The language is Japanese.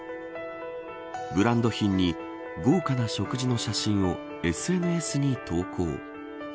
ブランド品に豪華な食事の写真をＳＮＳに投稿。